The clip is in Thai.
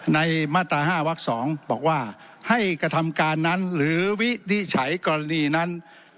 มาตรา๕วัก๒บอกว่าให้กระทำการนั้นหรือวินิจฉัยกรณีนั้น